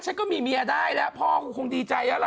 ฉันก็มีเมียได้แล้วพ่อก็คงดีใจแล้วล่ะ